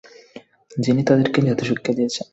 যিনি তাদেরকে জাদুশিক্ষা দিয়েছেন।